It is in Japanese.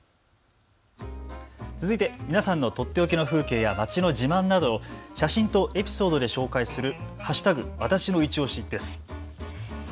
続いて皆さんのとっておきの風景や街の自慢などを写真とエピソードで紹介する＃